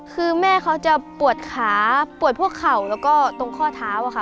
คือแม่เขาจะปวดขาปวดพวกเข่าแล้วก็ตรงข้อเท้าค่ะ